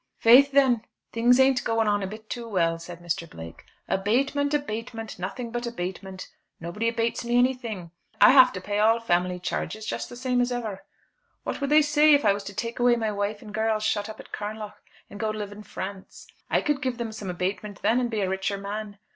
"Faith, then, things ain't going on a bit too well," said Mr. Blake. "Abatement, abatement, nothing but abatement! Nobody abates me anything. I have to pay all family charges just the same as ever. What would they say if I was to take away my wife and girls, shut up Carnlough, and go and live in France? I could give them some abatement then and be a richer man.